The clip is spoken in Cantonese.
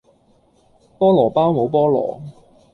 菠蘿包冇菠蘿